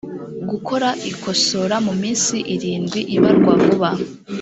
gukora ikosora mu minsi irindwi ibarwa vuba